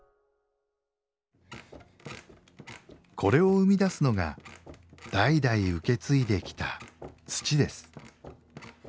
これを生み出すのが代々受け継いできた土です